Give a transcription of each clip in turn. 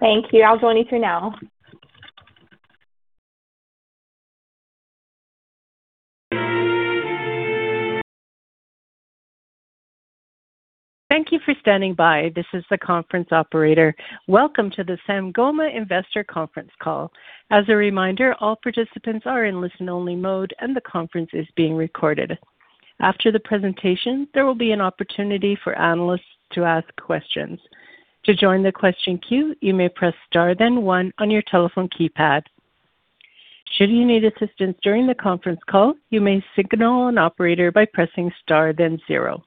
Thank you for standing by. This is the conference operator. Welcome to the Sangoma Investor Conference Call. As a reminder, all participants are in listen-only mode, and the conference is being recorded. After the presentation, there will be an opportunity for analysts to ask questions. To join the question queue, you may press star then one on your telephone keypad. Should you need assistance during the conference call, you may signal an operator by pressing star then zero.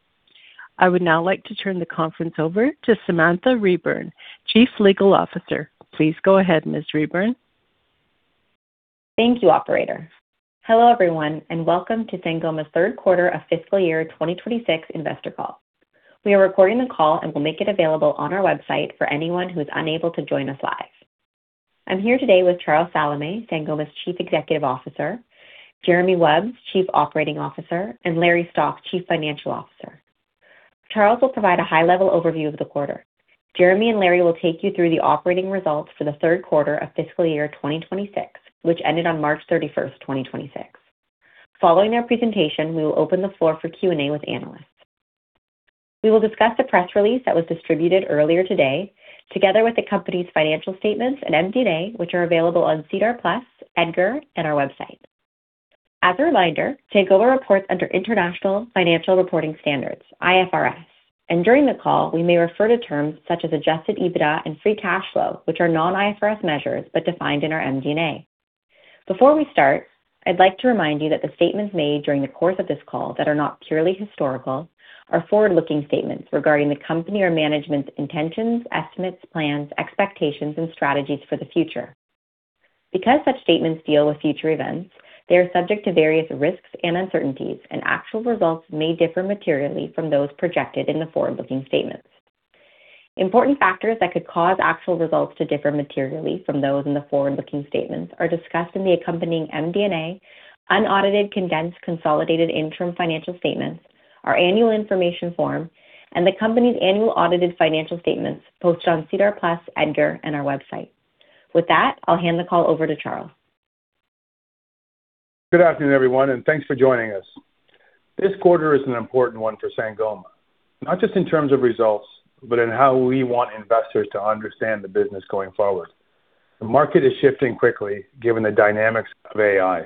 I would now like to turn the conference over to Samantha Reburn, Chief Legal Officer. Please go ahead, Ms. Reburn. Thank you, operator. Hello, everyone, welcome to Sangoma's Third Quarter of Fiscal Year 2026 Investor Call. We are recording the call and will make it available on our website for anyone who is unable to join us live. I'm here today with Charles Salameh, Sangoma's Chief Executive Officer, Jeremy Wubs, Chief Operating Officer, and Larry Stock, Chief Financial Officer. Charles will provide a high-level overview of the quarter. Jeremy and Larry will take you through the operating results for the third quarter of fiscal year 2026, which ended on March 31st, 2026. Following their presentation, we will open the floor for Q&A with analysts. We will discuss the press release that was distributed earlier today, together with the company's financial statements and MD&A, which are available on SEDAR+, EDGAR, and our website. As a reminder, Sangoma reports under International Financial Reporting Standards, IFRS. During the call, we may refer to terms such as adjusted EBITDA and free cash flow, which are non-IFRS measures, but defined in our MD&A. Before we start, I'd like to remind you that the statements made during the course of this call that are not purely historical are forward-looking statements regarding the company or management's intentions, estimates, plans, expectations, and strategies for the future. Because such statements deal with future events, they are subject to various risks and uncertainties, and actual results may differ materially from those projected in the forward-looking statements. Important factors that could cause actual results to differ materially from those in the forward-looking statements are discussed in the accompanying MD&A, unaudited condensed consolidated interim financial statements, our annual information form, and the company's annual audited financial statements posted on SEDAR+, EDGAR, and our website. With that, I'll hand the call over to Charles. Good afternoon, everyone, and thanks for joining us. This quarter is an important one for Sangoma, not just in terms of results, but in how we want investors to understand the business going forward. The market is shifting quickly given the dynamics of AI.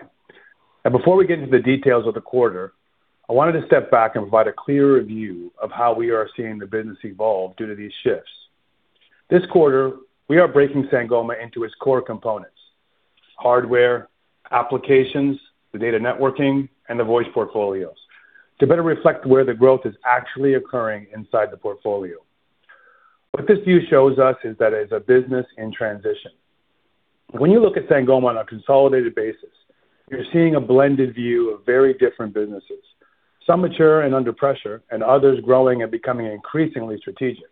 Before we get into the details of the quarter, I wanted to step back and provide a clearer view of how we are seeing the business evolve due to these shifts. This quarter, we are breaking Sangoma into its core components, hardware, applications, the data networking, and the voice portfolios to better reflect where the growth is actually occurring inside the portfolio. What this view shows us is that it's a business in transition. When you look at Sangoma on a consolidated basis, you're seeing a blended view of very different businesses, some mature and under pressure, and others growing and becoming increasingly strategic.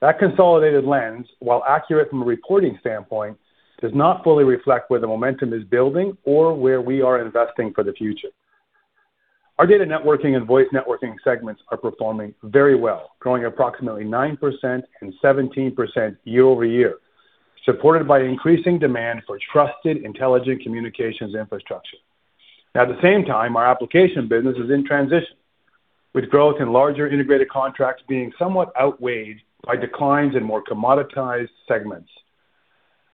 That consolidated lens, while accurate from a reporting standpoint, does not fully reflect where the momentum is building or where we are investing for the future. Our data networking and voice networking segments are performing very well, growing approximately 9% and 17% year-over-year, supported by increasing demand for trusted, intelligent communications infrastructure. At the same time, our application business is in transition, with growth in larger integrated contracts being somewhat outweighed by declines in more commoditized segments,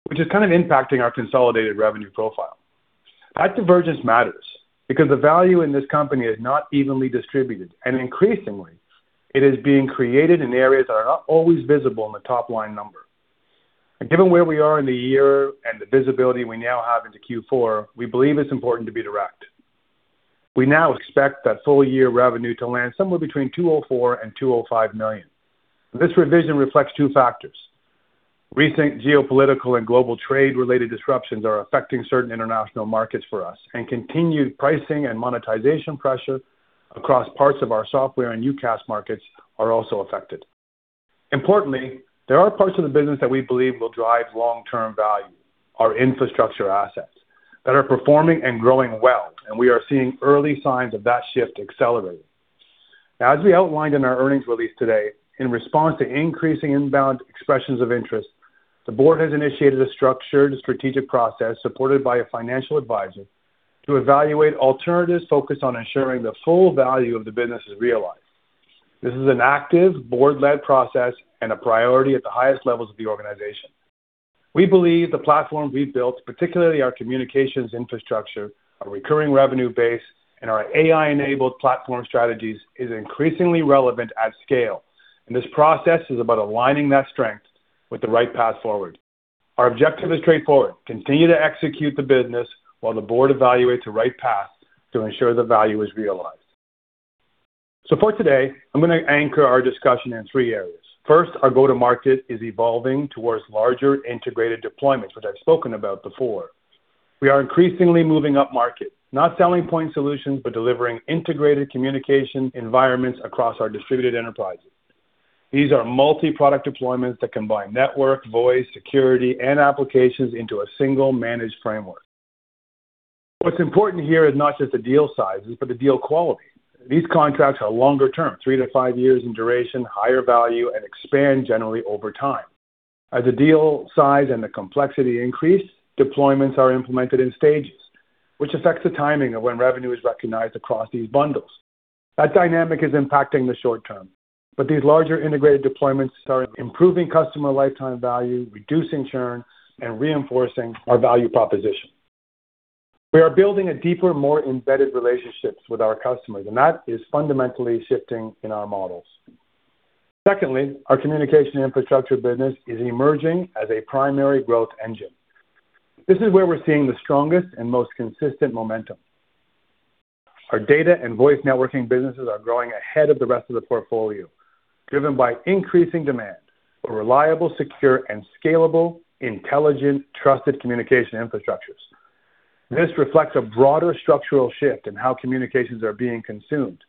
which is kind of impacting our consolidated revenue profile. That divergence matters because the value in this company is not evenly distributed, and increasingly it is being created in areas that are not always visible in the top-line number. Given where we are in the year and the visibility we now have into Q4, we believe it's important to be direct. We now expect that full year revenue to land somewhere between 204 million and 205 million. This revision reflects two factors. We think geopolitical and global trade-related disruptions are affecting certain international markets for us, and continued pricing and monetization pressure across parts of our software and UCaaS markets are also affected. Importantly, there are parts of the business that we believe will drive long-term value, our infrastructure assets that are performing and growing well, and we are seeing early signs of that shift accelerating. As we outlined in our earnings release today, in response to increasing inbound expressions of interest, the board has initiated a structured strategic process supported by a financial advisor to evaluate alternatives focused on ensuring the full value of the business is realized. This is an active board-led process and a priority at the highest levels of the organization. We believe the platform we've built, particularly our communications infrastructure, our recurring revenue base, and our AI-enabled platform strategies, is increasingly relevant at scale. This process is about aligning that strength with the right path forward. Our objective is straightforward. Continue to execute the business while the board evaluates the right path to ensure the value is realized. For today, I'm gonna anchor our discussion in three areas. First, our go-to-market is evolving towards larger integrated deployments, which I've spoken about before. We are increasingly moving up market, not selling point solutions, but delivering integrated communication environments across our distributed enterprises. These are multi-product deployments that combine network, voice, security, and applications into a single managed framework. What's important here is not just the deal sizes, but the deal quality. These contracts are longer term, three to five years in duration, higher value, and expand generally over time. As the deal size and the complexity increase, deployments are implemented in stages, which affects the timing of when revenue is recognized across these bundles. That dynamic is impacting the short term, but these larger integrated deployments are improving customer lifetime value, reducing churn, and reinforcing our value proposition. We are building a deeper, more embedded relationships with our customers, and that is fundamentally shifting in our models. Secondly, our communication infrastructure business is emerging as a primary growth engine. This is where we're seeing the strongest and most consistent momentum. Our data and voice networking businesses are growing ahead of the rest of the portfolio, driven by increasing demand for reliable, secure, and scalable, intelligent, trusted communication infrastructures. This reflects a broader structural shift in how communications are being consumed.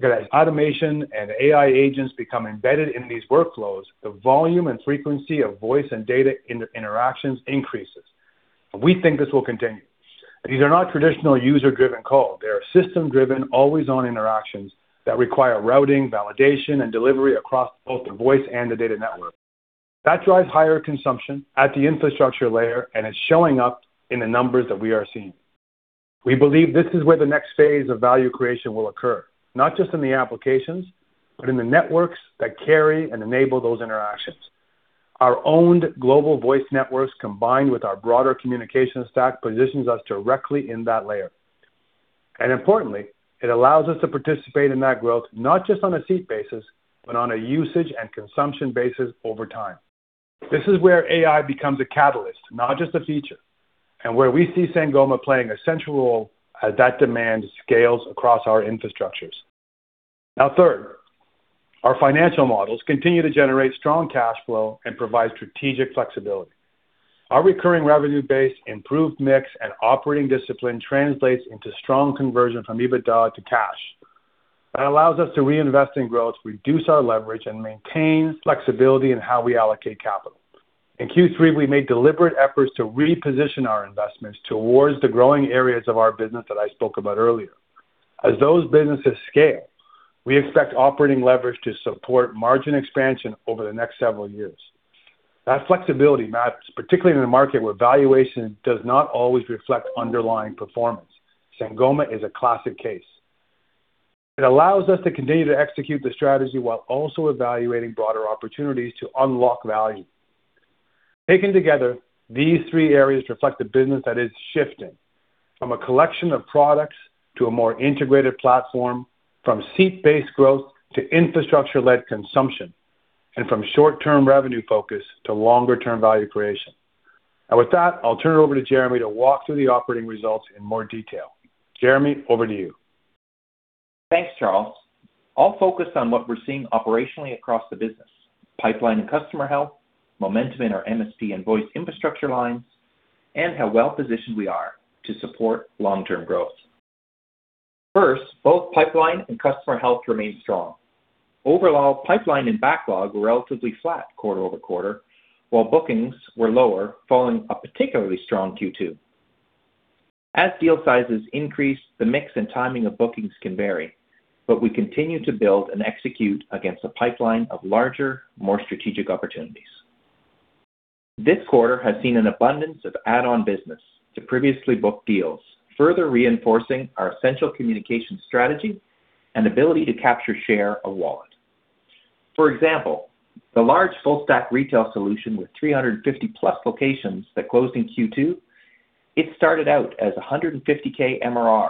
As automation and AI agents become embedded in these workflows, the volume and frequency of voice and data inter-interactions increases. We think this will continue. These are not traditional user-driven calls. They are system-driven, always-on interactions that require routing, validation, and delivery across both the voice and the data network. That drives higher consumption at the infrastructure layer, and it's showing up in the numbers that we are seeing. We believe this is where the next phase of value creation will occur, not just in the applications, but in the networks that carry and enable those interactions. Our owned global voice networks, combined with our broader communication stack, positions us directly in that layer. Importantly, it allows us to participate in that growth, not just on a seat basis, but on a usage and consumption basis over time. This is where AI becomes a catalyst, not just a feature, and where we see Sangoma playing a central role as that demand scales across our infrastructures. Third, our financial models continue to generate strong cash flow and provide strategic flexibility. Our recurring revenue base, improved mix, and operating discipline translates into strong conversion from EBITDA to cash. That allows us to reinvest in growth, reduce our leverage, and maintain flexibility in how we allocate capital. In Q3, we made deliberate efforts to reposition our investments towards the growing areas of our business that I spoke about earlier. As those businesses scale, we expect operating leverage to support margin expansion over the next several years. That flexibility matters, particularly in a market where valuation does not always reflect underlying performance. Sangoma is a classic case. It allows us to continue to execute the strategy while also evaluating broader opportunities to unlock value. Taken together, these three areas reflect a business that is shifting from a collection of products to a more integrated platform, from seat-based growth to infrastructure-led consumption, and from short-term revenue focus to longer-term value creation. With that, I'll turn it over to Jeremy to walk through the operating results in more detail. Jeremy, over to you. Thanks, Charles. I'll focus on what we're seeing operationally across the business, pipeline and customer health, momentum in our MSP and voice infrastructure lines, and how well-positioned we are to support long-term growth. First, both pipeline and customer health remain strong. Overall, pipeline and backlog were relatively flat quarter-over-quarter, while bookings were lower, following a particularly strong Q2. As deal sizes increase, the mix and timing of bookings can vary, but we continue to build and execute against a pipeline of larger, more strategic opportunities. This quarter has seen an abundance of add-on business to previously booked deals, further reinforcing our essential communication strategy and ability to capture share of wallet. For example, the large full-stack retail solution with 350-plus locations that closed in Q2, it started out as 150K MRR.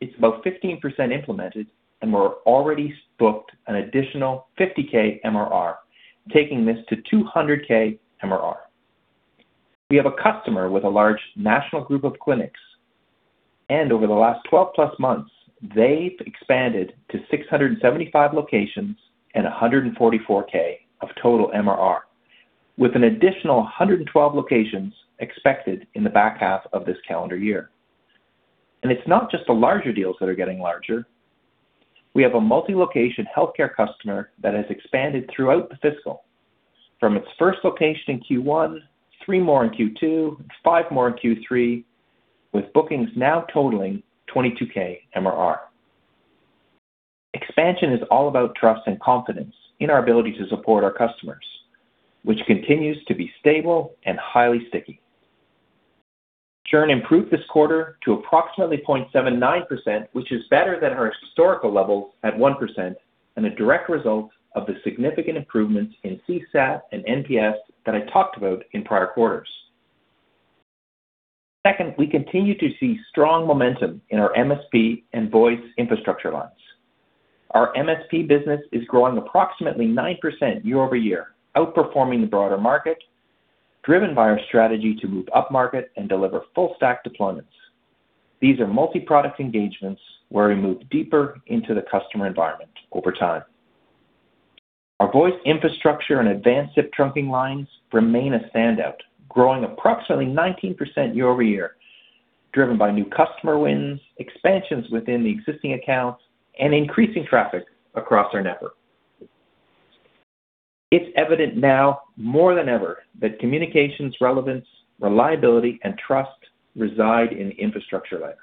It's about 15% implemented, and we're already booked an additional 50K MRR, taking this to 200K MRR. We have a customer with a large national group of clinics, and over the last 12+ months, they've expanded to 675 locations and 144K of total MRR, with an additional 112 locations expected in the back half of this calendar year. It's not just the larger deals that are getting larger. We have a multi-location healthcare customer that has expanded throughout the fiscal from its first location in Q1, three more in Q2, five more in Q3, with bookings now totaling 22K MRR. Expansion is all about trust and confidence in our ability to support our customers, which continues to be stable and highly sticky. Churn improved this quarter to approximately 0.79%, which is better than our historical level at 1% and a direct result of the significant improvements in CSAT and NPS that I talked about in prior quarters. Second, we continue to see strong momentum in our MSP and voice infrastructure lines. Our MSP business is growing approximately 9% year-over-year, outperforming the broader market, driven by our strategy to move upmarket and deliver full stack deployments. These are multi-product engagements where we move deeper into the customer environment over time. Our voice infrastructure and advanced SIP trunking lines remain a standout, growing approximately 19% year-over-year, driven by new customer wins, expansions within the existing accounts, and increasing traffic across our network. It's evident now more than ever that communications relevance, reliability, and trust reside in the infrastructure layer.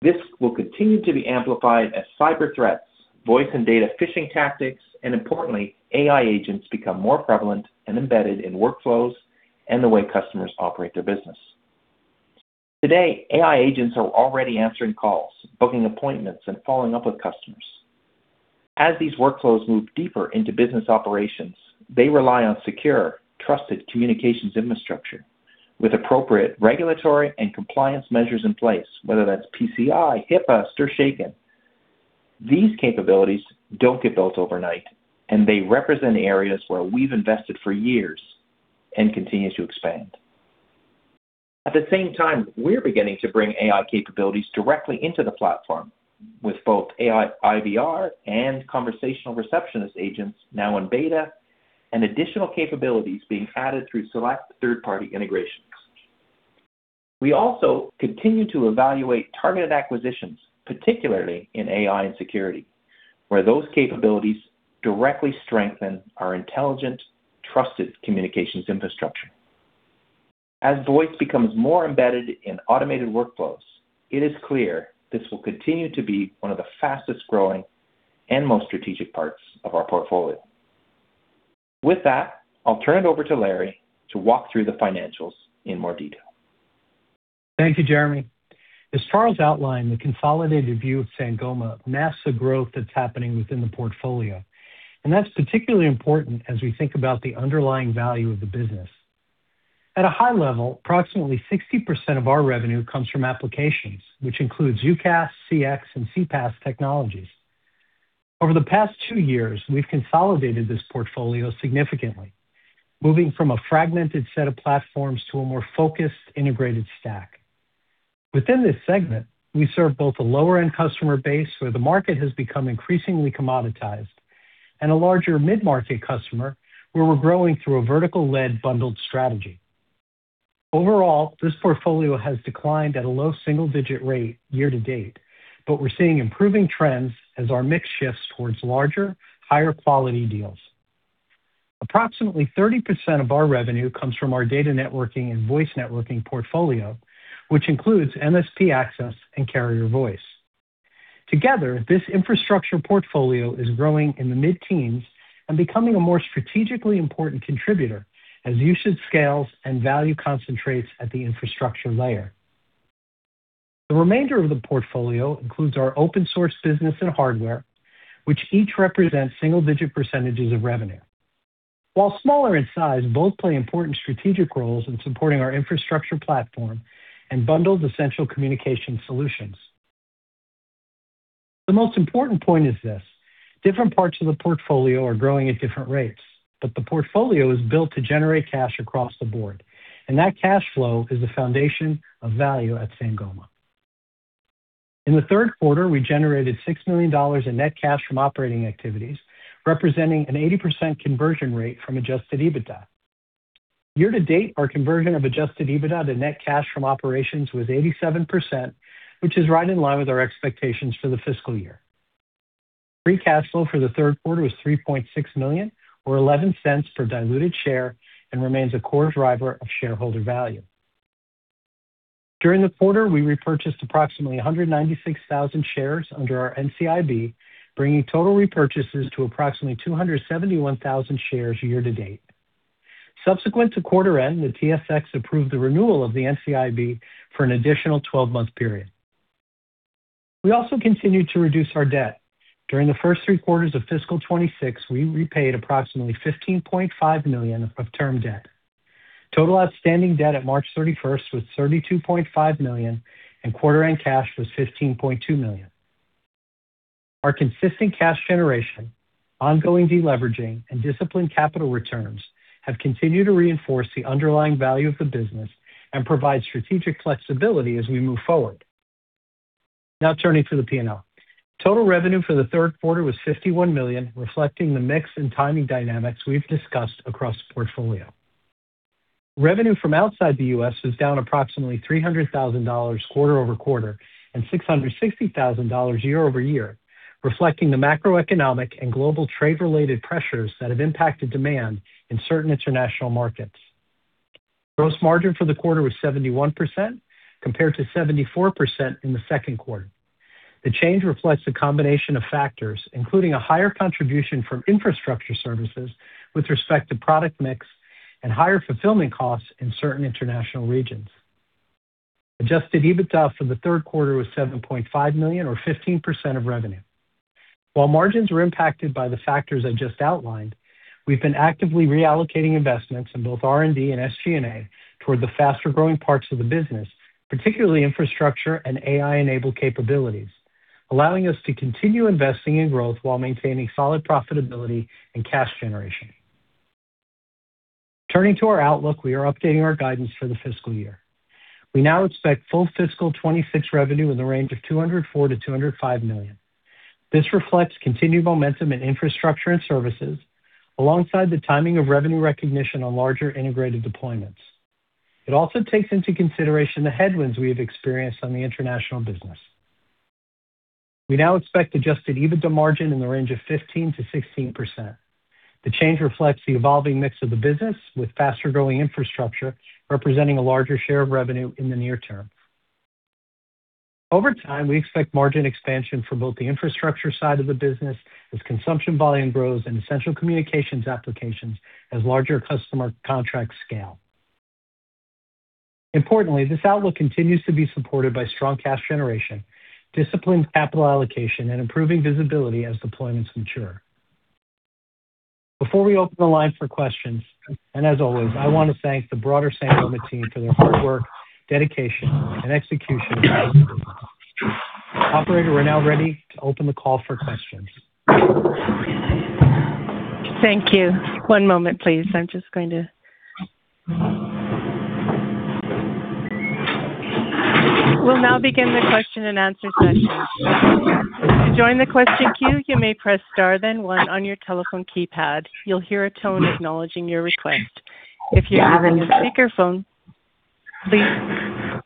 This will continue to be amplified as cyber threats, voice and data phishing tactics, and importantly, AI agents become more prevalent and embedded in workflows and the way customers operate their business. Today, AI agents are already answering calls, booking appointments, and following up with customers. As these workflows move deeper into business operations, they rely on secure, trusted communications infrastructure with appropriate regulatory and compliance measures in place, whether that's PCI, HIPAA, STIR/SHAKEN. These capabilities don't get built overnight, and they represent areas where we've invested for years and continue to expand. At the same time, we're beginning to bring AI capabilities directly into the platform with both AI IVR and conversational receptionist agents now in beta and additional capabilities being added through select third-party integrations. We also continue to evaluate targeted acquisitions, particularly in AI and security, where those capabilities directly strengthen our intelligent, trusted communications infrastructure. As voice becomes more embedded in automated workflows, it is clear this will continue to be one of the fastest-growing and most strategic parts of our portfolio. With that, I'll turn it over to Larry to walk through the financials in more detail. Thank you, Jeremy. As Charles outlined, the consolidated view of Sangoma maps the growth that's happening within the portfolio, and that's particularly important as we think about the underlying value of the business. At a high level, approximately 60% of our revenue comes from applications, which includes UCaaS, CX, and CPaaS technologies. Over the past two years, we've consolidated this portfolio significantly, moving from a fragmented set of platforms to a more focused, integrated stack. Within this segment, we serve both a lower-end customer base where the market has become increasingly commoditized and a larger mid-market customer where we're growing through a vertical lead bundled strategy. Overall, this portfolio has declined at a low single-digit rate year to date, but we're seeing improving trends as our mix shifts towards larger, higher quality deals. Approximately 30% of our revenue comes from our data networking and voice networking portfolio, which includes MSP access and carrier voice. Together, this infrastructure portfolio is growing in the mid-teens and becoming a more strategically important contributor as usage scales and value concentrates at the infrastructure layer. The remainder of the portfolio includes our open source business and hardware, which each represent single-digit percentages of revenue. While smaller in size, both play important strategic roles in supporting our infrastructure platform and bundled essential communication solutions. The most important point is this. Different parts of the portfolio are growing at different rates, but the portfolio is built to generate cash across the board, and that cash flow is the foundation of value at Sangoma. In the third quarter, we generated 6 million dollars in net cash from operating activities, representing an 80% conversion rate from adjusted EBITDA. Year to date, our conversion of adjusted EBITDA to net cash from operations was 87%, which is right in line with our expectations for the fiscal year. Free cash flow for the third quarter was 3.6 million or 0.11 per diluted share and remains a core driver of shareholder value. During the quarter, we repurchased approximately 196,000 shares under our NCIB, bringing total repurchases to approximately 271,000 shares year to date. Subsequent to quarter end, the TSX approved the renewal of the NCIB for an additional 12-month period. We also continued to reduce our debt. During the first three quarters of fiscal 2026, we repaid approximately 15.5 million of term debt. Total outstanding debt at March 31st was 32.5 million, and quarter end cash was 15.2 million. Our consistent cash generation, ongoing deleveraging, and disciplined capital returns have continued to reinforce the underlying value of the business and provide strategic flexibility as we move forward. Now turning to the P&L. Total revenue for the third quarter was 51 million, reflecting the mix and timing dynamics we've discussed across the portfolio. Revenue from outside the U.S. was down approximately 300,000 dollars quarter-over-quarter and 660,000 dollars year-over-year, reflecting the macroeconomic and global trade-related pressures that have impacted demand in certain international markets. Gross margin for the quarter was 71% compared to 74% in the second quarter. The change reflects a combination of factors, including a higher contribution from infrastructure services with respect to product mix and higher fulfillment costs in certain international regions. Adjusted EBITDA for the third quarter was 7.5 million or 15% of revenue. While margins were impacted by the factors I just outlined, we've been actively reallocating investments in both R&D and SG&A toward the faster-growing parts of the business, particularly infrastructure and AI-enabled capabilities, allowing us to continue investing in growth while maintaining solid profitability and cash generation. Turning to our outlook, we are updating our guidance for the fiscal year. We now expect full fiscal 2026 revenue in the range of 204 million-205 million. This reflects continued momentum in infrastructure and services alongside the timing of revenue recognition on larger integrated deployments. It also takes into consideration the headwinds we have experienced on the international business. We now expect adjusted EBITDA margin in the range of 15%-16%. The change reflects the evolving mix of the business, with faster-growing infrastructure representing a larger share of revenue in the near term. Over time, we expect margin expansion for both the infrastructure side of the business as consumption volume grows in essential communications applications as larger customer contracts scale. Importantly, this outlook continues to be supported by strong cash generation, disciplined capital allocation, and improving visibility as deployments mature. Before we open the line for questions, and as always, I want to thank the broader Sangoma team for their hard work, dedication, and execution. Operator, we're now ready to open the call for questions. Thank you. One moment, please. We'll now begin the question-and-answer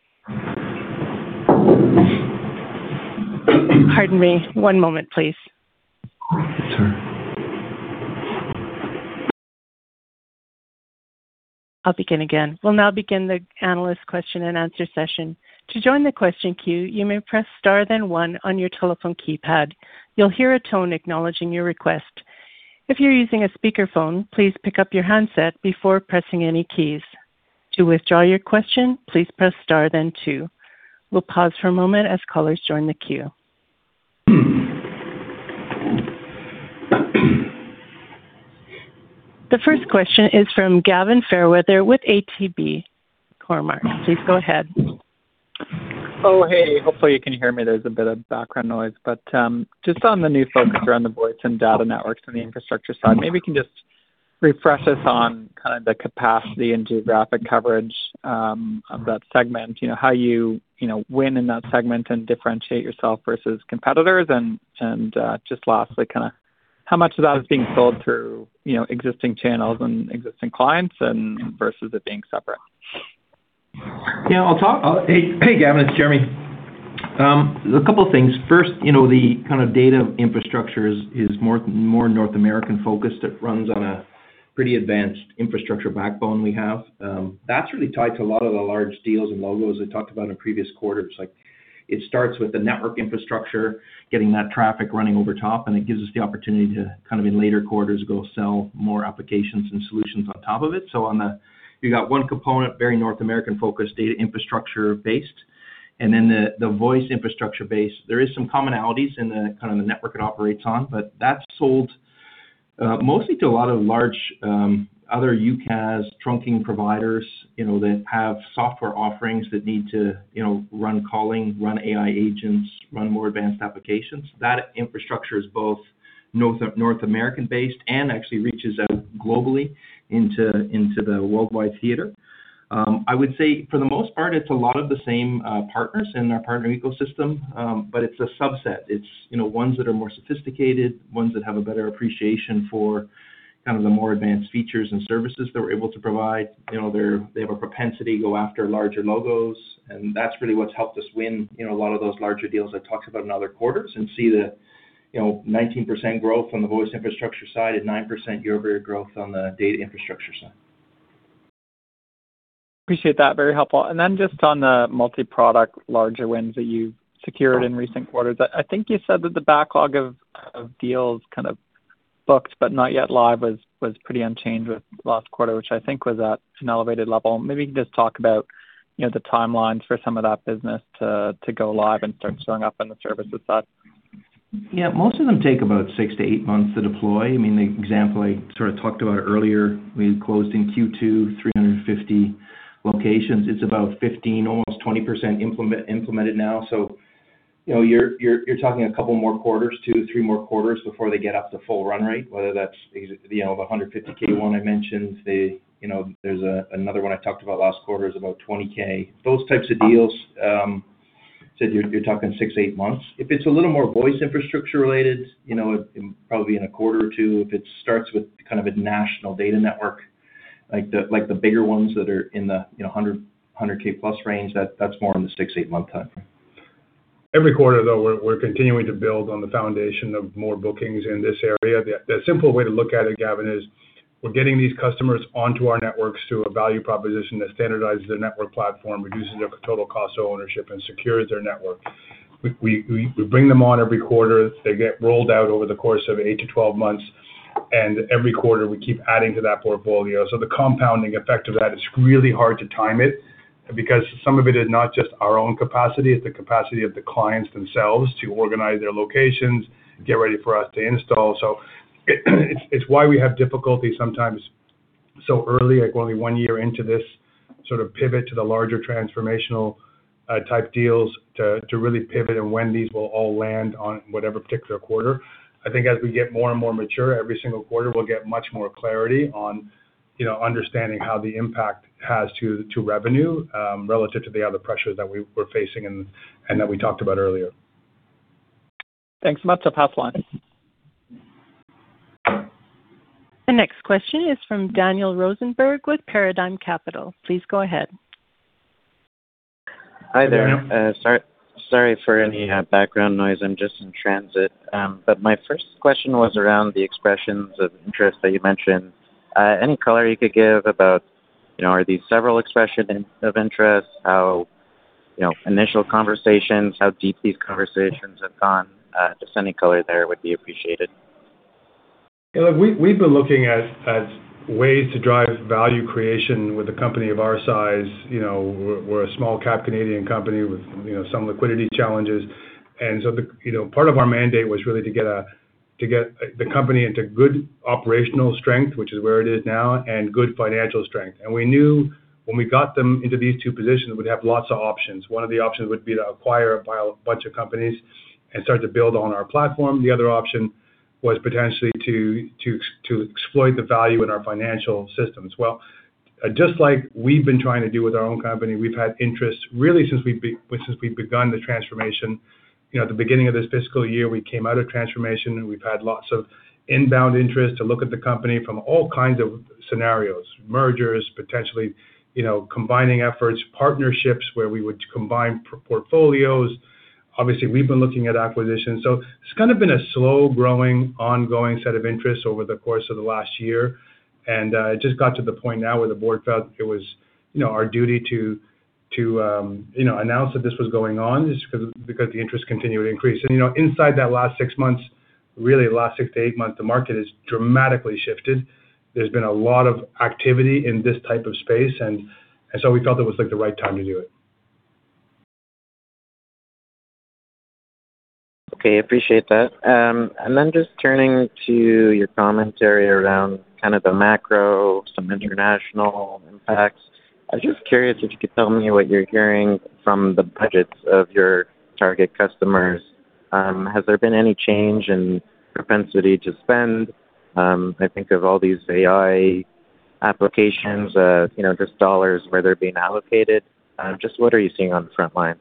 session. To join the question queue, you may press star then one on your telephone keypad. You'll hear a tone acknowledging your request. If you're using a speakerphone, please. Pardon me. One moment, please. Sure. The first question is from Gavin Fairweather with ATB Cormark. Please go ahead. Oh, hey. Hopefully, you can hear me. There's a bit of background noise. Just on the new focus around the voice and data networks on the infrastructure side, maybe you can just refresh us on kind of the capacity and geographic coverage of that segment. You know, how you know, win in that segment and differentiate yourself versus competitors. Just lastly, kinda how much of that is being sold through, you know, existing channels and existing clients and versus it being separate? Yeah, I'll talk. Hey, Gavin, it's Jeremy. There's a couple of things. you know, the kind of data infrastructure is more North American-focused. It runs on a pretty advanced infrastructure backbone we have. That's really tied to a lot of the large deals and logos I talked about in previous quarters. Like, it starts with the network infrastructure, getting that traffic running over top, and it gives us the opportunity to kind of in later quarters go sell more applications and solutions on top of it. You got one component, very North American-focused, data infrastructure-based, and then the voice infrastructure base. There is some commonalities in the kind of the network it operates on, but that's sold mostly to a lot of large other UCaaS trunking providers, you know, that have software offerings that need to, you know, run calling, run AI agents, run more advanced applications. That infrastructure is both North American-based and actually reaches out globally into the worldwide theater. I would say for the most part, it's a lot of the same partners in our partner ecosystem, but it's a subset. It's, you know, ones that are more sophisticated, ones that have a better appreciation for kind of the more advanced features and services that we're able to provide. You know, they have a propensity to go after larger logos, and that's really what's helped us win, you know, a lot of those larger deals I've talked about in other quarters and see the, you know, 19% growth on the voice infrastructure side and 9% year-over-year growth on the data infrastructure side. Appreciate that. Very helpful. Then just on the multi-product larger wins that you've secured in recent quarters, I think you said that the backlog of deals kind of booked but not yet live was pretty unchanged with last quarter, which I think was at an elevated level. Maybe you can just talk about, you know, the timelines for some of that business to go live and start showing up on the services side. Yeah. Most of them take about six to eight months to deploy. I mean, the example I sort of talked about earlier, we had closed in Q2 350 locations. It's about 15, almost 20% implemented now. You know, you're talking a couple more quarters, two to three more quarters before they get up to full run rate, whether that's, you know, the 150K one I mentioned. They, you know, another one I talked about last quarter is about 20K. Those types of deals, so you're talking six to eight months. If it's a little more voice infrastructure related, you know, it probably in a quarter or two. If it starts with kind of a national data network, like the bigger ones that are in the, you know, 100K plus range, that's more in the six to eight month timeframe. Every quarter, though, we're continuing to build on the foundation of more bookings in this area. The simple way to look at it, Gavin, is we're getting these customers onto our networks through a value proposition that standardizes their network platform, reduces their total cost of ownership, and secures their network. We bring them on every quarter. They get rolled out over the course of eight to 12 months. Every quarter we keep adding to that portfolio. The compounding effect of that is really hard to time it because some of it is not just our own capacity, it's the capacity of the clients themselves to organize their locations, get ready for us to install. It's why we have difficulty sometimes so early, like we're only one year into this sort of pivot to the larger transformational type deals to really pivot on when these will all land on whatever particular quarter. I think as we get more and more mature, every single quarter we'll get much more clarity on, you know, understanding how the impact has to revenue relative to the other pressures that we're facing and that we talked about earlier. Thanks. I'll pass the line. The next question is from Daniel Rosenberg with Paradigm Capital. Please go ahead. Hi there. Sorry for any background noise. I'm just in transit. My first question was around the expressions of interest that you mentioned. Any color you could give about, you know, are these several expressions of interest? How, you know, initial conversations, how deep these conversations have gone? Just any color there would be appreciated. Yeah, look, we've been looking at ways to drive value creation with a company of our size. You know, we're a small cap Canadian company with, you know, some liquidity challenges. The, you know, part of our mandate was really to get the company into good operational strength, which is where it is now, and good financial strength. We knew when we got them into these two positions, we'd have lots of options. One of the options would be to buy a bunch of companies and start to build on our platform. The other option was potentially to exploit the value in our financial systems. Well, just like we've been trying to do with our own company, we've had interest really since we've begun the transformation. You know, at the beginning of this fiscal year, we came out of transformation, and we've had lots of inbound interest to look at the company from all kinds of scenarios. Mergers, potentially, you know, combining efforts, partnerships where we would combine portfolios. Obviously, we've been looking at acquisitions. It's kind of been a slow-growing, ongoing set of interests over the course of the last year. It just got to the point now where the board felt it was, you know, our duty to, you know, announce that this was going on just because the interest continued to increase. You know, inside that last six months, really the last six to eight months, the market has dramatically shifted. There's been a lot of activity in this type of space and so we felt it was, like, the right time to do it. Okay. Appreciate that. Just turning to your commentary around kind of the macro, some international impacts. I was just curious if you could tell me what you're hearing from the budgets of your target customers. Has there been any change in propensity to spend? I think of all these AI applications, you know, just dollars, where they're being allocated. Just what are you seeing on the front lines?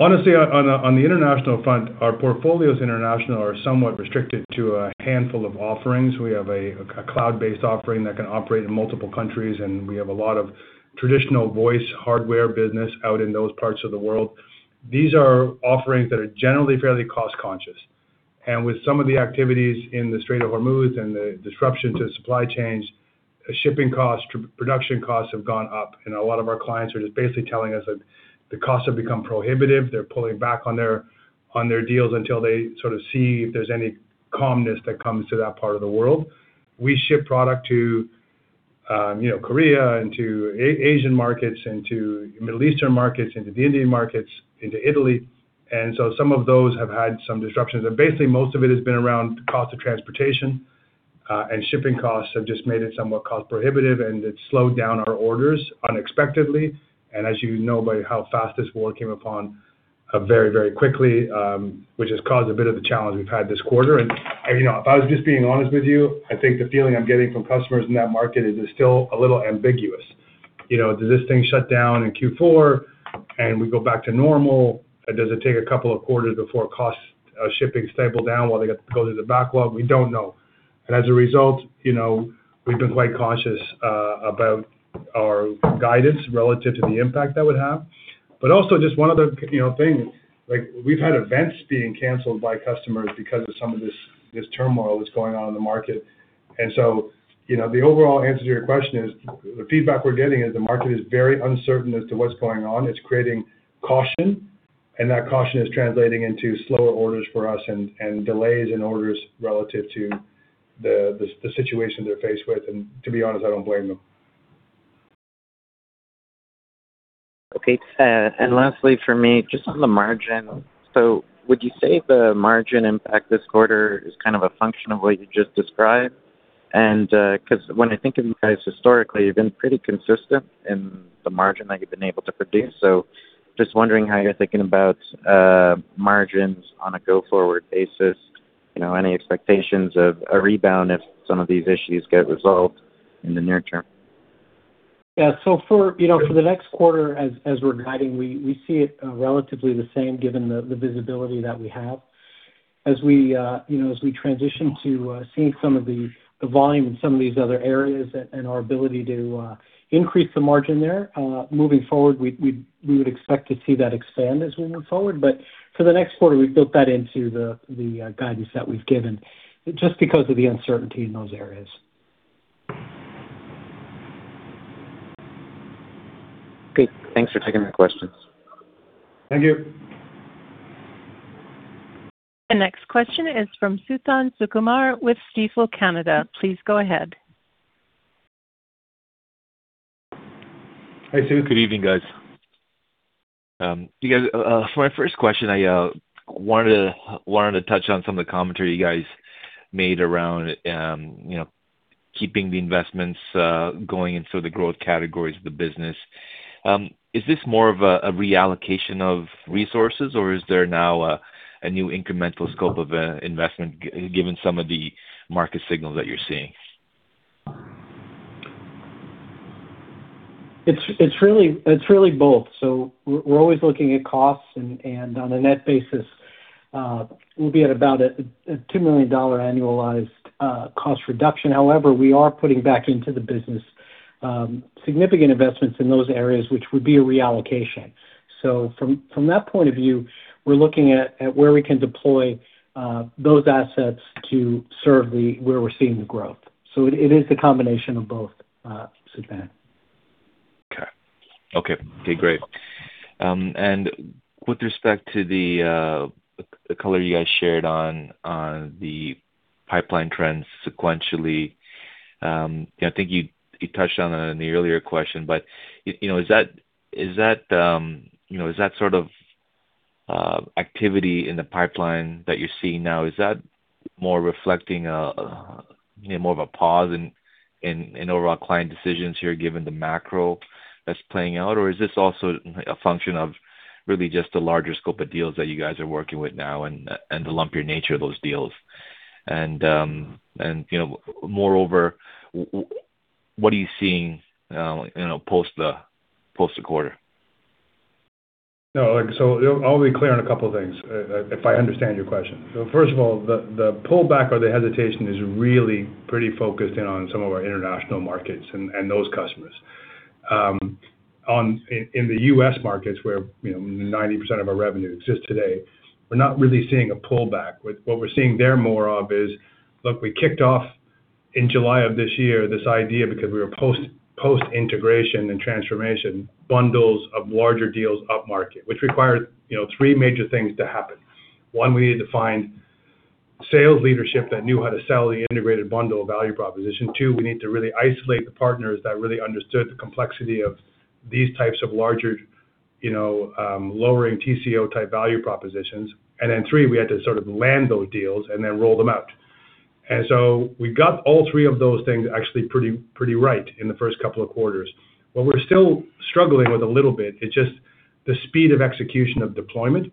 Honestly, on the international front, our portfolios international are somewhat restricted to a handful of offerings. We have a cloud-based offering that can operate in multiple countries, and we have a lot of traditional voice hardware business out in those parts of the world. These are offerings that are generally fairly cost-conscious. With some of the activities in the Strait of Hormuz and the disruption to supply chains, shipping costs, production costs have gone up, and a lot of our clients are just basically telling us that the costs have become prohibitive. They're pulling back on their deals until they sort of see if there's any calmness that comes to that part of the world. We ship product to, you know, Korea, and to Asian markets, and to Middle Eastern markets, into the Indian markets, into Italy, and so some of those have had some disruptions. Basically, most of it has been around cost of transportation, and shipping costs have just made it somewhat cost prohibitive, and it's slowed down our orders unexpectedly. As you know by how fast this war came upon, very, very quickly, which has caused a bit of the challenge we've had this quarter. You know, if I was just being honest with you, I think the feeling I'm getting from customers in that market is it's still a little ambiguous. You know, does this thing shut down in Q4 and we go back to normal, or does it take a couple of quarters before costs, shipping stable down while they got to go through the backlog? We don't know. As a result, you know, we've been quite cautious about our guidance relative to the impact that would have. Also just one other, you know, thing, like we've had events being canceled by customers because of some of this turmoil that's going on in the market. You know, the overall answer to your question is the feedback we're getting is the market is very uncertain as to what's going on. It's creating caution, that caution is translating into slower orders for us and delays in orders relative to the situation they're faced with. To be honest, I don't blame them. Okay. lastly for me, just on the margin. Would you say the margin impact this quarter is kind of a function of what you just described? 'Cause when I think of you guys historically, you've been pretty consistent in the margin that you've been able to produce. just wondering how you're thinking about margins on a go-forward basis, you know, any expectations of a rebound if some of these issues get resolved in the near term? Yeah. For, you know, for the next quarter as we're guiding, we see it relatively the same given the visibility that we have. As we, you know, as we transition to seeing some of the volume in some of these other areas and our ability to increase the margin there, moving forward, we would expect to see that expand as we move forward. For the next quarter, we've built that into the guidance that we've given just because of the uncertainty in those areas. Great. Thanks for taking my questions. Thank you. The next question is from Suthan Sukumar with Stifel Canada. Please go ahead. Hi, Sue. Good evening, guys. You guys, for my first question, I wanted to touch on some of the commentary you guys made around, you know, keeping the investments going into the growth categories of the business. Is this more of a reallocation of resources, or is there now a new incremental scope of investment given some of the market signals that you're seeing? It's really both. We're always looking at costs and on a net basis, we'll be at about a 2 million dollar annualized cost reduction. However, we are putting back into the business significant investments in those areas which would be a reallocation. From that point of view, we're looking at where we can deploy those assets to serve where we're seeing the growth. It is the combination of both, Suthan. Okay. Okay. Okay, great. With respect to the color you guys shared on the pipeline trends sequentially, you know, I think you touched on the earlier question, but you know, is that, is that, you know, is that sort of activity in the pipeline that you're seeing now, is that more reflecting, you know, more of a pause in overall client decisions here given the macro that's playing out? Is this also a function of really just the larger scope of deals that you guys are working with now and the lumpier nature of those deals? You know, moreover, what are you seeing, you know, post the quarter? No. Like, I'll be clear on a couple of things, if I understand your question. First of all, the pullback or the hesitation is really pretty focused in on some of our international markets and those customers. In the U.S. markets where, you know, 90% of our revenue exists today, we're not really seeing a pullback. What we're seeing there more of is, look, we kicked off in July of this year, this idea because we were post integration and transformation, bundles of larger deals upmarket, which required, you know, three major things to happen. One, we needed to find sales leadership that knew how to sell the integrated bundle value proposition. Two, we need to really isolate the partners that really understood the complexity of these types of larger, you know, lowering TCO type value propositions. Three, we had to sort of land those deals and then roll them out. We got all three of those things actually pretty right in the first couple of quarters. What we're still struggling with a little bit, it's just the speed of execution of deployment.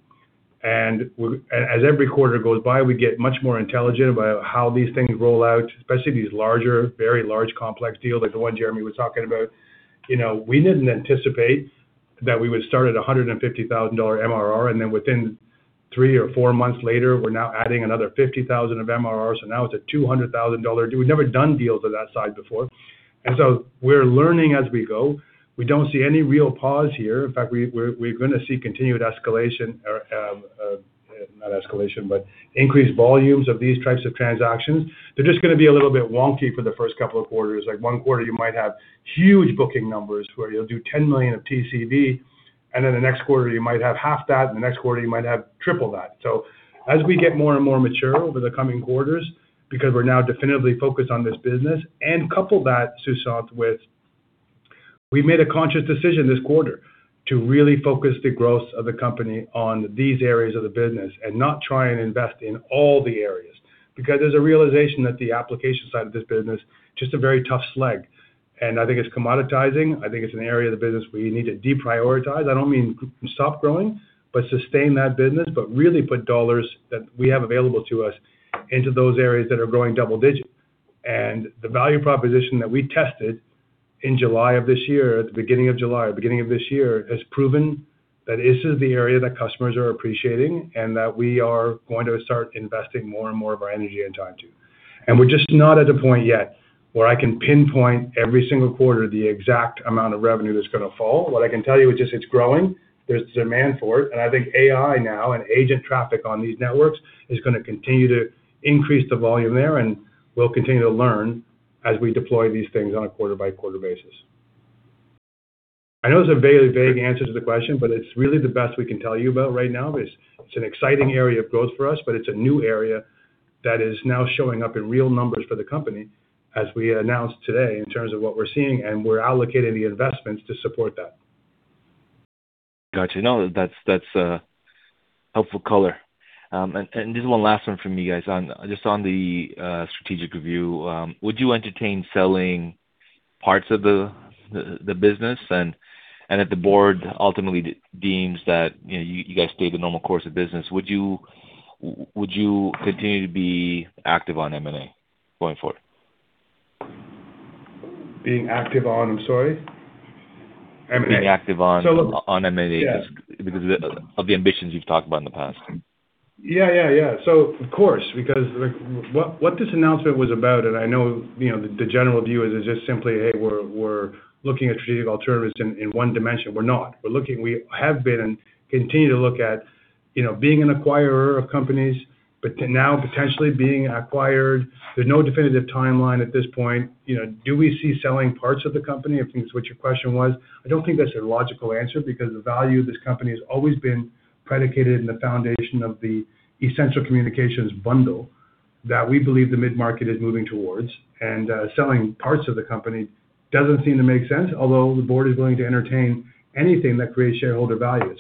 As every quarter goes by, we get much more intelligent about how these things roll out, especially these larger, very large complex deals like the one Jeremy was talking about. You know, we didn't anticipate that we would start at a 150,000 MRR, then within three or four months later, we're now adding another 50,000 of MRR. Now it's a 200,000 dollar. We've never done deals of that size before. We're learning as we go. We don't see any real pause here. In fact, we're gonna see continued escalation or not escalation, but increased volumes of these types of transactions. They're just gonna be a little bit wonky for the first couple of quarters. Like one quarter, you might have huge booking numbers where you'll do 10 million of TCV, and then the next quarter you might have half that, and the next quarter you might have triple that. As we get more and more mature over the coming quarters because we're now definitively focused on this business and couple that, Suthan, with we've made a conscious decision this quarter to really focus the growth of the company on these areas of the business and not try and invest in all the areas. There's a realization that the application side of this business, just a very tough sled. I think it's commoditizing. I think it's an area of the business where you need to deprioritize. I don't mean stop growing, but sustain that business, but really put dollars that we have available to us into those areas that are growing double digit. The value proposition that we tested in July of this year, at the beginning of July, beginning of this year, has proven that this is the area that customers are appreciating and that we are going to start investing more and more of our energy and time to. We're just not at a point yet where I can pinpoint every single quarter the exact amount of revenue that's gonna fall. What I can tell you is just it's growing. There's demand for it. I think AI now and agent traffic on these networks is gonna continue to increase the volume there, and we'll continue to learn as we deploy these things on a quarter-by-quarter basis. I know it's a very vague answer to the question, but it's really the best we can tell you about right now is it's an exciting area of growth for us, but it's a new area that is now showing up in real numbers for the company as we announced today in terms of what we're seeing, and we're allocating the investments to support that. Gotcha. No, that's a helpful color. Just one last one from me, guys. Just on the strategic review, would you entertain selling parts of the business? If the board ultimately deems that, you know, you guys stay the normal course of business, would you continue to be active on M&A going forward? Being active on, sorry? M&A. Being active on- So- on M&A. Yeah. Because of the ambitions you've talked about in the past. Yeah, yeah. Of course, because, what this announcement was about, and I know, you know, the general view is it's just simply, "Hey, we're looking at strategic alternatives in one dimension." We're not. We have been and continue to look at, you know, being an acquirer of companies, but to now potentially being acquired. There's no definitive timeline at this point. You know, do we see selling parts of the company, I think is what your question was. I don't think that's a logical answer because the value of this company has always been predicated in the foundation of the essential communications bundle that we believe the mid-market is moving towards. Selling parts of the company doesn't seem to make sense, although the board is willing to entertain anything that creates shareholder value.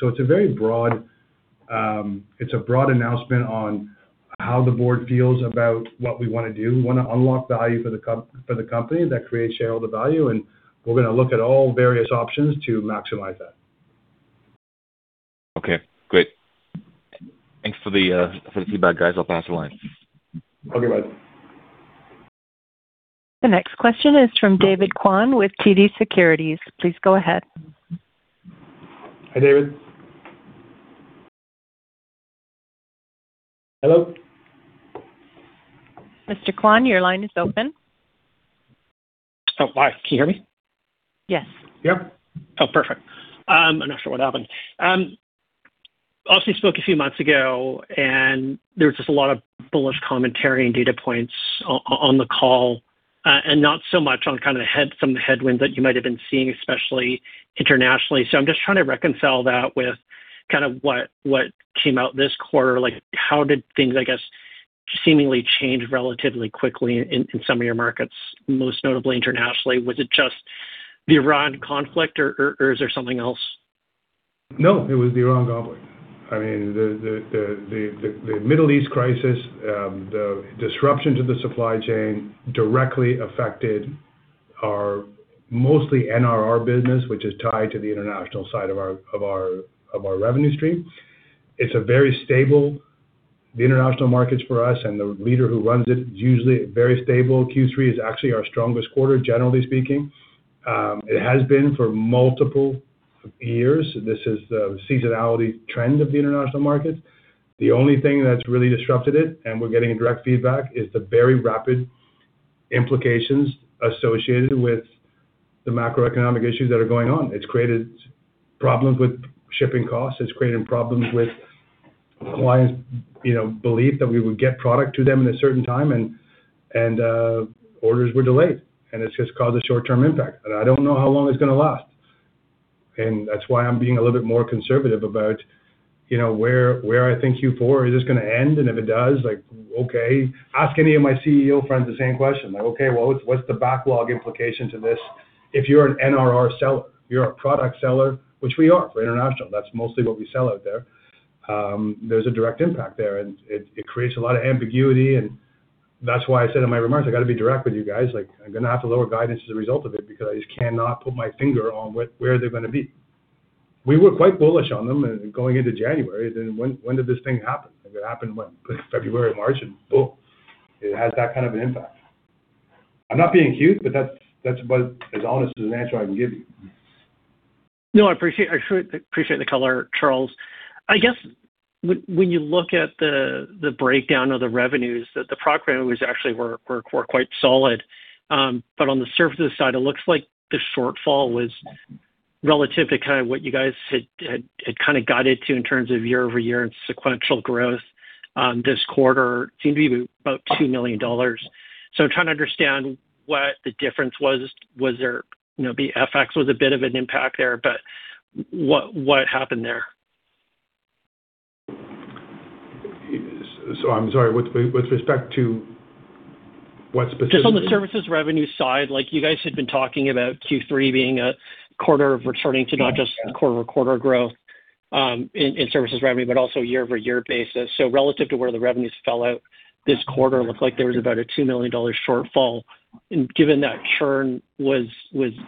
It's a broad announcement on how the board feels about what we wanna do. We wanna unlock value for the company that creates shareholder value, and we're gonna look at all various options to maximize that. Okay, great. Thanks for the for the feedback, guys. I'll pass the line. Okay, bye. The next question is from David Kwan with TD Securities. Please go ahead. Hi, David. Hello? Mr. Kwan, your line is open. Oh, hi. Can you hear me? Yes. Yep. Oh, perfect. I'm not sure what happened. Obviously you spoke a few months ago, and there was just a lot of bullish commentary and data points on the call, and not so much on kinda some of the headwinds that you might have been seeing, especially internationally. I'm just trying to reconcile that with kind of what came out this quarter. Like, how did things, I guess, seemingly change relatively quickly in some of your markets, most notably internationally? Was it just the Iran conflict or is there something else? No, it was the Iran conflict. I mean, the Middle East crisis, the disruption to the supply chain directly affected our mostly NRR business, which is tied to the international side of our revenue stream. It's a very stable, the international markets for us, and the leader who runs it is usually very stable. Q3 is actually our strongest quarter, generally speaking. It has been for multiple years. This is the seasonality trend of the international markets. The only thing that's really disrupted it, and we're getting direct feedback, is the very rapid implications associated with the macroeconomic issues that are going on. It's created problems with shipping costs. It's created problems with clients', you know, belief that we would get product to them at a certain time, and orders were delayed, It's just caused a short-term impact. I don't know how long it's gonna last, and that's why I'm being a little bit more conservative about, you know, where I think Q4 is. Is this gonna end? If it does, like, okay. Ask any of my CEO friends the same question. Like, okay, well what's the backlog implication to this? If you're an NRR seller, you're a product seller, which we are for international, that's mostly what we sell out there's a direct impact there, it creates a lot of ambiguity. That's why I said in my remarks, I gotta be direct with you guys. Like, I'm gonna have to lower guidance as a result of it because I just cannot put my finger on where they're gonna be. We were quite bullish on them going into January. Then when did this thing happen? Like, it happened, what, February, March, and boom. It has that kind of an impact. I'm not being cute, but that's about as honest as an answer I can give you. No, I appreciate, I sure appreciate the color, Charles. I guess when you look at the breakdown of the revenues, the proc revenues actually were quite solid. But on the services side, it looks like the shortfall was relative to kind of what you guys had kinda guided to in terms of year-over-year and sequential growth this quarter. Seemed to be about 2 million dollars. I'm trying to understand what the difference was. Was there, you know, the FX was a bit of an impact there, but what happened there? I'm sorry, with respect to what specifically? Just on the services revenue side. You guys had been talking about Q3 being a quarter of returning to not just quarter-over-quarter growth, in services revenue, but also year-over-year basis. Relative to where the revenues fell out this quarter, it looked like there was about a 2 million dollar shortfall. Given that churn was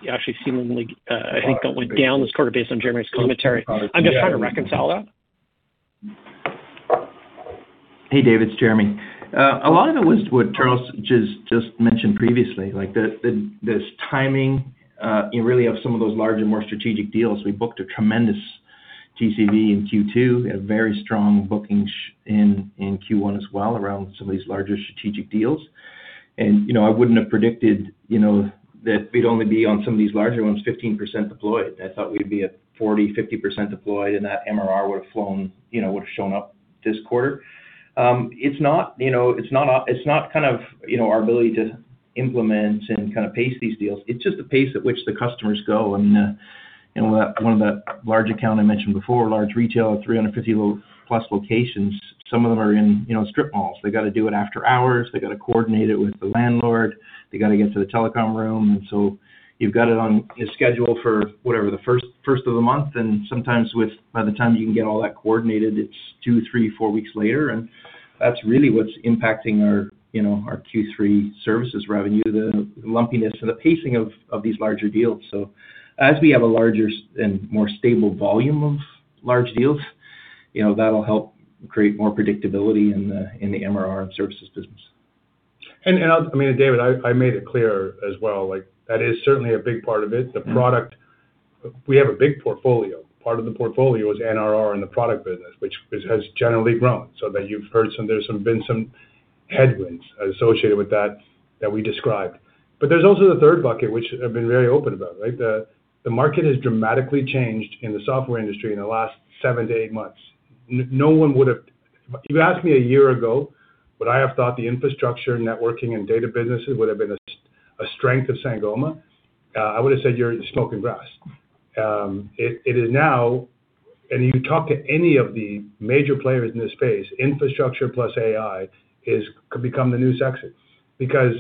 actually seemingly, I think went down this quarter based on Jeremy's commentary, I'm just trying to reconcile that. Hey, David. It's Jeremy. A lot of it was what Charles just mentioned previously, like the timing really of some of those larger, more strategic deals. We booked a tremendous TCV in Q2. We had very strong bookings in Q1 as well around some of these larger strategic deals. You know, I wouldn't have predicted, you know, that we'd only be on some of these larger ones 15% deployed. I thought we'd be at 40%, 50% deployed, and that MRR would've flown, you know, would've shown up this quarter. It's not, you know, it's not kind of, you know, our ability to implement and kinda pace these deals. It's just the pace at which the customers go. You know, one of the large account I mentioned before, large retail at 350 plus locations, some of them are in, you know, strip malls. They gotta do it after hours. They gotta coordinate it with the landlord. They gotta get to the telecom room. You've got it on the schedule for whatever, the first of the month, and sometimes by the time you can get all that coordinated, it's two, three, four weeks later. That's really what's impacting our, you know, our Q3 services revenue, the lumpiness and the pacing of these larger deals. As we have a larger and more stable volume of large deals, you know, that'll help create more predictability in the MRR and services business. I mean, David, I made it clear as well, like that is certainly a big part of it. We have a big portfolio. Part of the portfolio is NRR and the product business, which has generally grown, so that you've heard there's been some headwinds associated with that we described. There's also the third bucket, which I've been very open about, right? The market has dramatically changed in the software industry in the last seven to eight months. No one would have If you asked me a year ago, would I have thought the infrastructure, networking, and data businesses would have been a strength of Sangoma, I would have said you're smoking grass. It is now, you talk to any of the major players in this space, infrastructure plus AI could become the new success because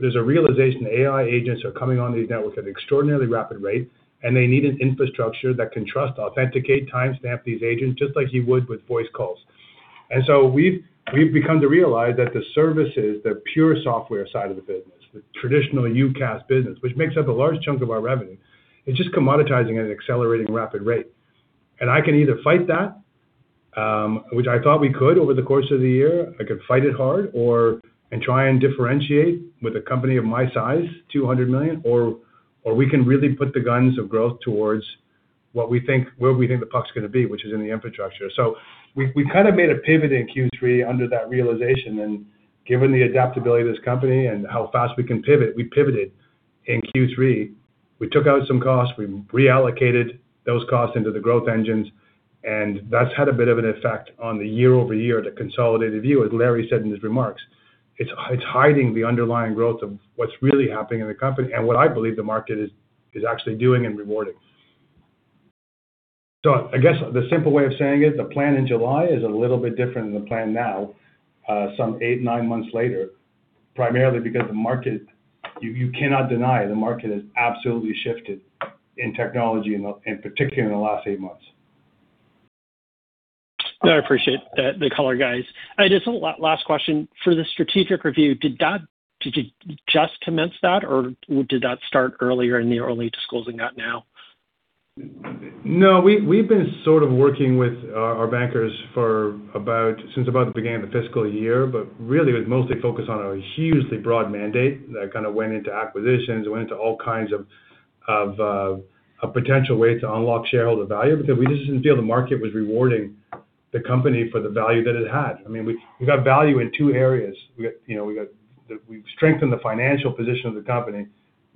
there's a realization AI agents are coming on these networks at an extraordinarily rapid rate, and they need an infrastructure that can trust, authenticate, timestamp these agents just like you would with voice calls. We've become to realize that the services, the pure software side of the business, the traditional UCaaS business, which makes up a large chunk of our revenue, is just commoditizing at an accelerating rapid rate. I can either fight that, which I thought we could over the course of the year. I could fight it hard or try and differentiate with a company of my size, 200 million, or we can really put the guns of growth towards where we think the puck's gonna be, which is in the infrastructure. We've kind of made a pivot in Q3 under that realization, and given the adaptability of this company and how fast we can pivot, we pivoted in Q3. We took out some costs, we reallocated those costs into the growth engines. That's had a bit of an effect on the year-over-year, the consolidated view, as Larry said in his remarks. It's hiding the underlying growth of what's really happening in the company and what I believe the market is actually doing and rewarding. I guess the simple way of saying it, the plan in July is a little bit different than the plan now, some eight, nine months later, primarily because you cannot deny the market has absolutely shifted in technology, in particular in the last eight months. I appreciate the color, guys. Last question. For the strategic review, did you just commence that, or did that start earlier and you're only disclosing that now? No, we've been sort of working with our bankers since about the beginning of the fiscal year. Really it was mostly focused on a hugely broad mandate that kind of went into acquisitions, it went into all kinds of a potential way to unlock shareholder value because we just didn't feel the market was rewarding the company for the value that it had. I mean, we've got value in two areas. You know, we've strengthened the financial position of the company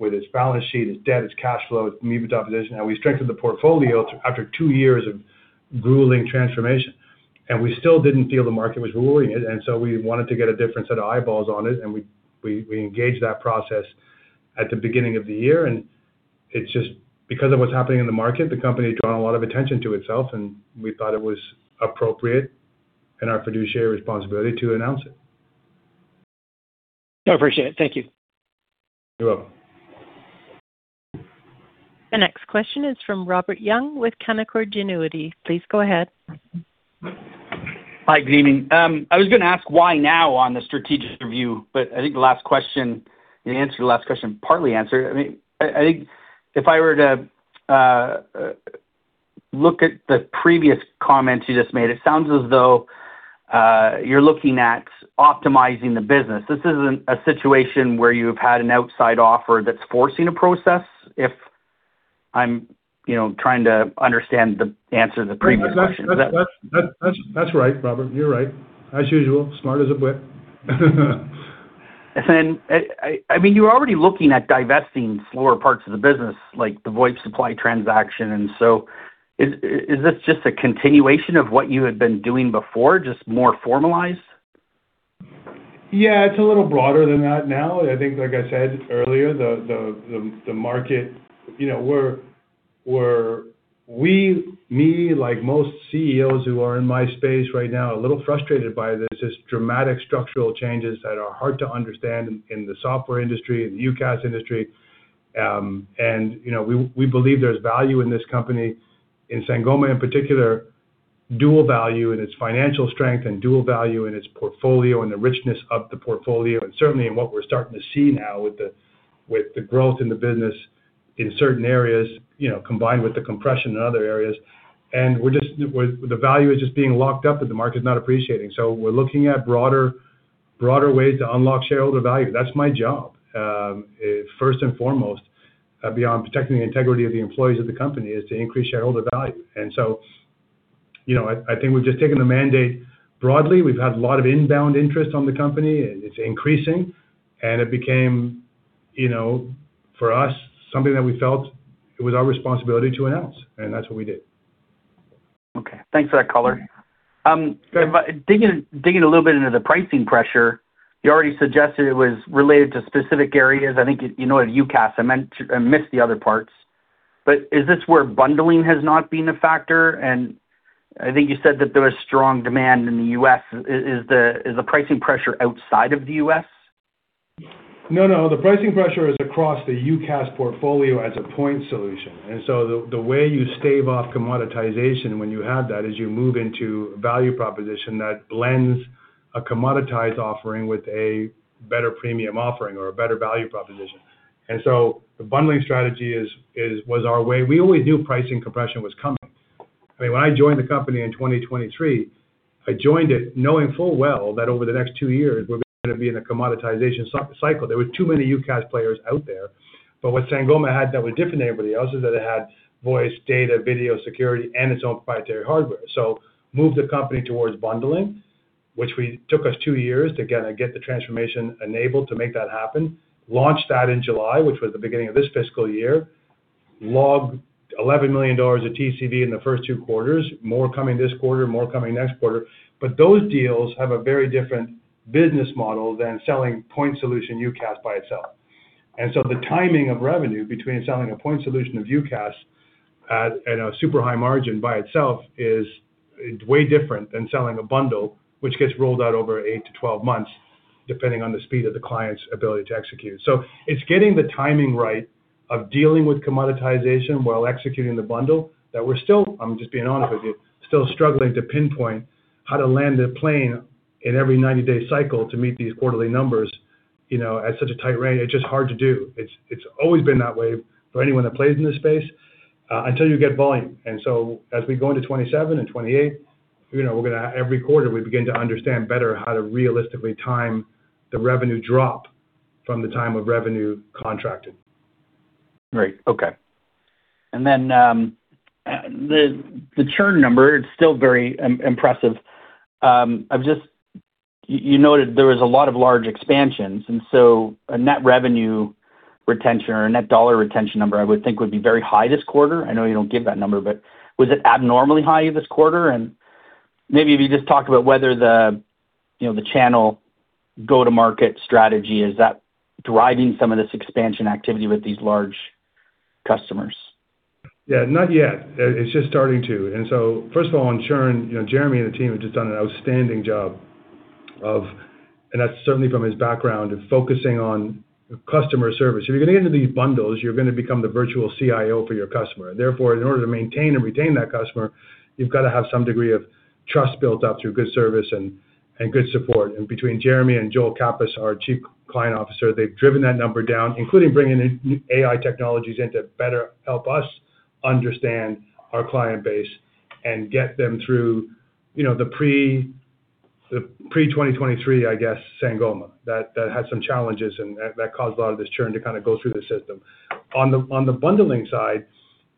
with its balance sheet, its debt, its cash flow, its EBITDA position, and we've strengthened the portfolio after two years of grueling transformation. We still didn't feel the market was rewarding it, so we wanted to get a different set of eyeballs on it, we engaged that process at the beginning of the year. Because of what's happening in the market, the company had drawn a lot of attention to itself, we thought it was appropriate in our fiduciary responsibility to announce it. I appreciate it. Thank you. You're welcome. The next question is from Robert Young with Canaccord Genuity. Please go ahead. Hi, good evening. I was gonna ask why now on the strategic review, I think the answer to the last question partly answered. I mean, I think if I were to look at the previous comments you just made, it sounds as though you're looking at optimizing the business. This isn't a situation where you've had an outside offer that's forcing a process, if I'm, you know, trying to understand the answer to the previous question. Is that? That's right, Robert. You're right. As usual, smart as a whip. I mean, you're already looking at divesting slower parts of the business like the VoIP Supply transaction. Is this just a continuation of what you had been doing before, just more formalized? Yeah, it's a little broader than that now. I think, like I said earlier, the market, you know, We, me, like most CEOs who are in my space right now, are a little frustrated by this. It's dramatic structural changes that are hard to understand in the software industry, in the UCaaS industry. You know, we believe there's value in this company, in Sangoma in particular, dual value in its financial strength and dual value in its portfolio and the richness of the portfolio, and certainly in what we're starting to see now with the, with the growth in the business in certain areas, you know, combined with the compression in other areas. The value is just being locked up, and the market's not appreciating. We're looking at broader ways to unlock shareholder value. That's my job. First and foremost, beyond protecting the integrity of the employees of the company, is to increase shareholder value. You know, I think we've just taken the mandate broadly. We've had a lot of inbound interest on the company, and it's increasing, and it became, you know, for us, something that we felt it was our responsibility to announce, and that's what we did. Okay. Thanks for that color. Sure. Digging a little bit into the pricing pressure, you already suggested it was related to specific areas. I think, you know, in UCaaS. I missed the other parts. Is this where bundling has not been a factor? I think you said that there was strong demand in the U.S. Is the pricing pressure outside of the U.S.? No, no. The pricing pressure is across the UCaaS portfolio as a point solution. The way you stave off commoditization when you have that is you move into value proposition that blends a commoditized offering with a better premium offering or a better value proposition. The bundling strategy is our way. We always knew pricing compression was coming. I mean, when I joined the company in 2023, I joined it knowing full well that over the next two years we're gonna be in a commoditization cycle. There were too many UCaaS players out there. What Sangoma had that was different than everybody else is that it had voice, data, video security, and its own proprietary hardware. Moved the company towards bundling, which we took us two years to kinda get the transformation enabled to make that happen. Launched that in July, which was the beginning of this fiscal year. Logged 11 million of TCV in the first two quarters, more coming this quarter, more coming next quarter. Those deals have a very different business model than selling point solution UCaaS by itself. The timing of revenue between selling a point solution of UCaaS at a super high margin by itself is way different than selling a bundle, which gets rolled out over eight-12 months, depending on the speed of the client's ability to execute. It's getting the timing right of dealing with commoditization while executing the bundle that we're still, I'm just being honest with you, still struggling to pinpoint how to land a plane in every 90-day cycle to meet these quarterly numbers, you know, at such a tight rein. It's just hard to do. It's always been that way for anyone that plays in this space, until you get volume. As we go into 27 and 28, you know, every quarter, we begin to understand better how to realistically time the revenue drop from the time of revenue contracted. Great. Okay. The churn number, it's still very impressive. You noted there was a lot of large expansions, and so a net revenue retention or net dollar retention number I would think would be very high this quarter. I know you don't give that number, but was it abnormally high this quarter? Maybe if you just talked about whether the, you know, the channel go-to-market strategy, is that driving some of this expansion activity with these large customers? Yeah. Not yet. It's just starting to. First of all, on churn, you know, Jeremy and the team have just done an outstanding job of, and that's certainly from his background of focusing on customer service. If you're gonna get into these bundles, you're gonna become the virtual CIO for your customer. In order to maintain and retain that customer, you've gotta have some degree of trust built up through good service and good support. Between Jeremy and Joel Kappes, our Chief Client Officer, they've driven that number down, including bringing in AI technologies in to better help us understand our client base and get them through, you know, the pre, the pre 2023, I guess, Sangoma. That had some challenges and that caused a lot of this churn to kinda go through the system. On the bundling side,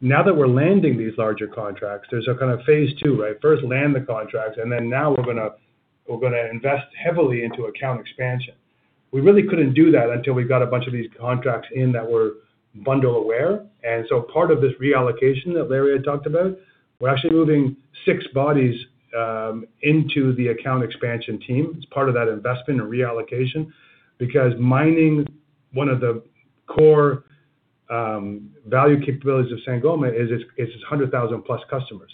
now that we're landing these larger contracts, there's a kind of phase 2, right? First land the contracts, now we're gonna invest heavily into account expansion. We really couldn't do that until we got a bunch of these contracts in that were bundle aware. Part of this reallocation that Larry had talked about, we're actually moving six bodies into the account expansion team. It's part of that investment and reallocation. Mining one of the core value capabilities of Sangoma is its 100,000 plus customers.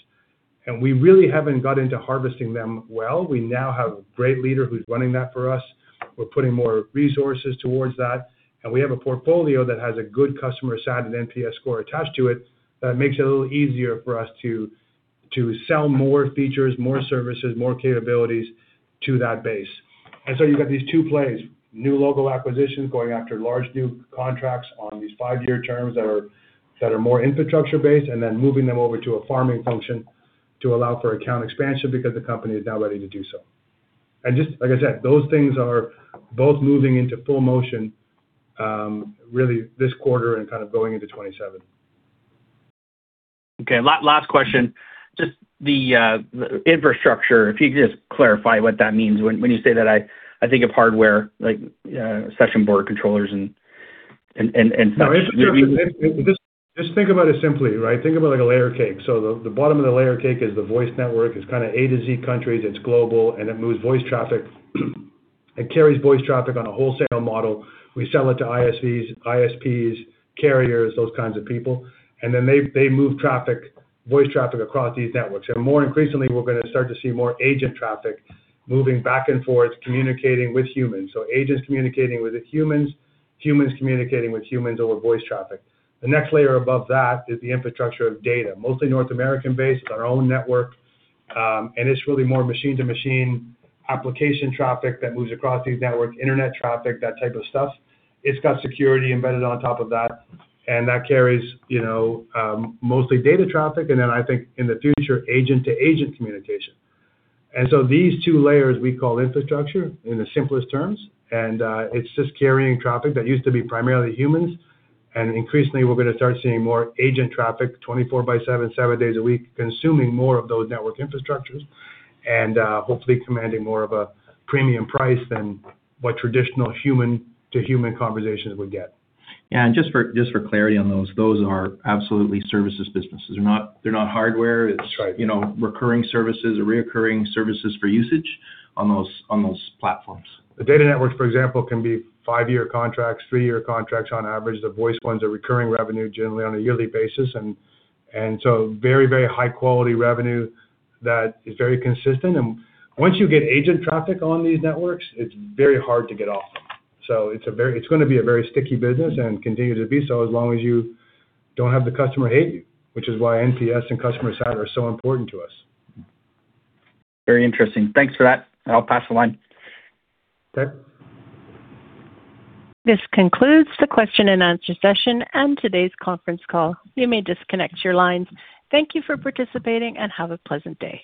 We really haven't got into harvesting them well. We now have a great leader who's running that for us. We're putting more resources towards that, and we have a portfolio that has a good customer sat and NPS score attached to it that makes it a little easier for us to sell more features, more services, more capabilities to that base. You've got these two plays, new logo acquisitions going after large new contracts on these five-year terms that are more infrastructure-based, then moving them over to a farming function to allow for account expansion because the company is now ready to do so. Just like I said, those things are both moving into full motion, really this quarter and kind of going into 2027. Okay. Last question. Just the infrastructure, if you could just clarify what that means when you say that I think of hardware like session border controllers and such? No, infrastructure, just think about it simply, right? Think about like a layer cake. The bottom of the layer cake is the voice network. It's kinda A to Z countries, it's global, and it moves voice traffic. It carries voice traffic on a wholesale model. We sell it to ISVs, ISPs, carriers, those kinds of people, and then they move traffic, voice traffic across these networks. More increasingly, we're gonna start to see more agent traffic moving back and forth, communicating with humans. Agents communicating with humans communicating with humans over voice traffic. The next layer above that is the infrastructure of data, mostly North American-based. It's our own network. It's really more machine to machine application traffic that moves across these networks, internet traffic, that type of stuff. It's got security embedded on top of that, and that carries, you know, mostly data traffic, and then I think in the future, agent to agent communication. These two layers we call infrastructure in the simplest terms. It's just carrying traffic that used to be primarily humans. Increasingly, we're gonna start seeing more agent traffic 24/7 days a week, consuming more of those network infrastructures and hopefully commanding more of a premium price than what traditional human to human conversations would get. Yeah. Just for clarity on those are absolutely services businesses. They're not hardware. That's right. It's, you know, recurring services or reoccurring services for usage on those, on those platforms. The data networks, for example, can be five-year contracts, three-year contracts on average. The voice ones are recurring revenue generally on a yearly basis. So very, very high quality revenue that is very consistent. Once you get agent traffic on these networks, it's very hard to get off. It's going to be a very sticky business and continue to be so, as long as you don't have the customer hate you, which is why NPS and CSAT are so important to us. Very interesting. Thanks for that. I'll pass the line. Okay. This concludes the question and answer session and today's conference call. You may disconnect your lines. Thank you for participating and have a pleasant day.